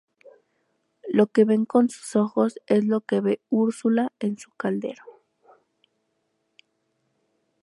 Lo que ven con sus ojos es lo que ve Úrsula en su caldero.